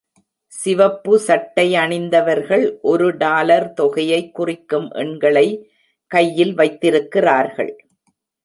சிவப்பு சட்டை அணிந்தவர்கள் ஒரு டாலர் தொகையை குறிக்கும் எண்களை கையில் வைத்திருக்கிறார்கள்.